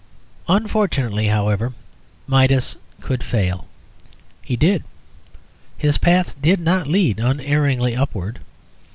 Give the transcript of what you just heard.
Unfortunately, however, Midas could fail; he did. His path did not lead unerringly upward.